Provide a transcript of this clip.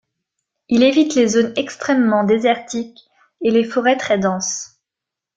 Il évite les zones extrêmement désertiques et les forêts très dense.